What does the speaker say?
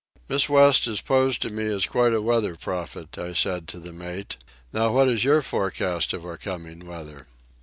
"Miss West has posed to me as quite a weather prophet," I said to the mate. "Now what is your forecast of our coming weather?"